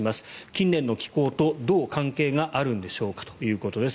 近年の気候とどう関係があるんでしょうかということです。